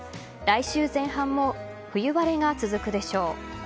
来週前半も冬晴れが続くでしょう。